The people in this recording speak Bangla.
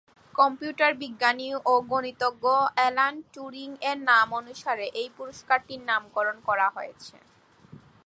কম্পিউটার বিজ্ঞানী ও গণিতজ্ঞ অ্যালান টুরিং-এর নামানুসারে এই পুরস্কারটির নামকরণ করা হয়েছে।